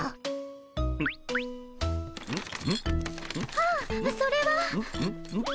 あっそれは。